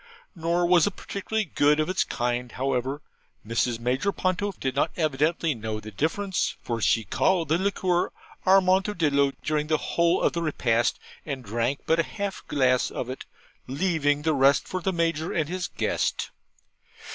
Nor was it particularly good of its kind; however, Mrs. Major Ponto did not evidently know the difference, for she called the liquor Amontillado during the whole of the repast, and drank but half a glass of it, leaving the rest for the Major and his guest.